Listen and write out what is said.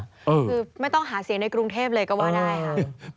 คือไม่ต้องหาเสียงในกรุงเทพเลยก็ว่าได้ค่ะ